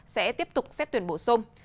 sẽ tiếp tục xét tuyển bổ sung